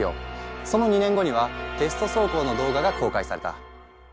その２年後にはテスト走行の動画が公開された。